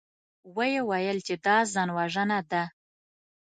ويې ويل چې دا ځانوژنه ده.